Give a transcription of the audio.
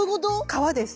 皮です。